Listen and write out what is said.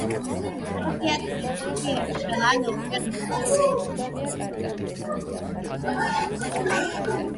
ნალექი აქ წელიწადში ერთხელ ან ორჯერ მოდის.